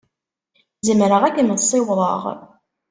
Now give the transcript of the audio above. Zemreɣ ad kem-ssiwḍeɣ.